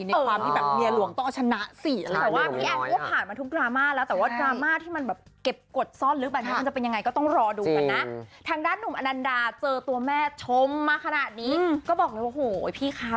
ในความที่แม่หลวงจะต้องเอาชนะ